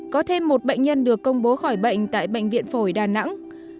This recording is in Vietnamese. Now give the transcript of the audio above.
có thêm một bệnh nhân được công bố khỏi bệnh tại bệnh viện phổi đà nẵng